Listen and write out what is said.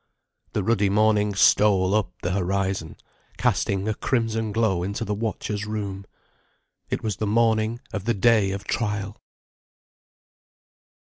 The ruddy morning stole up the horizon, casting a crimson glow into the watcher's room. It was the morning of the day of trial!